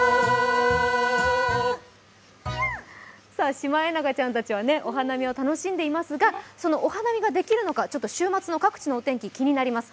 シマエナガちゃんたちはお花見を楽しんでいますが、そのお花見ができるのか、週末の各地のお天気、気になります。